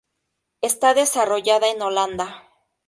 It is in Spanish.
Está desarrolla en Holanda.